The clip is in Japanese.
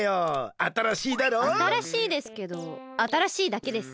あたらしいですけどあたらしいだけですね。